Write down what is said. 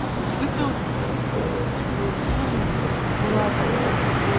犯人に心当たりはない。